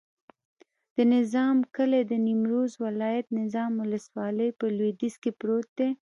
د نظام کلی د نیمروز ولایت، نظام ولسوالي په لویدیځ کې پروت دی.